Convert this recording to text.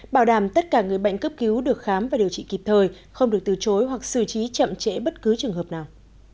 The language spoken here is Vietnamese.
bảo đảm tất cả người bệnh cấp cứu được khám và điều trị kịp thời không được từ chối hoặc xử trí chậm trễ bất cứ trường hợp nào